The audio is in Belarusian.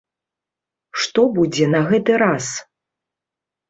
Што будзе на гэты раз?